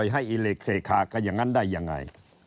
ให้อิเล็กเคคากันอย่างนั้นได้ยังไง